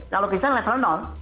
kalau bisa level